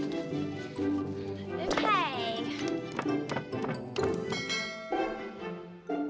dari kebun di belakang